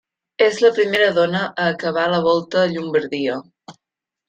És la primera dona a acabar la Volta a Llombardia.